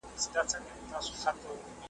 دا د الله جل جلاله خوښه او انتخاب وو.